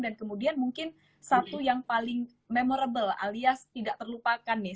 dan kemudian mungkin satu yang paling memorable alias tidak terlupakan nih